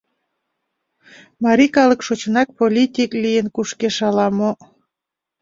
Марий калык шочынак политик лийын кушкеш ала-мо.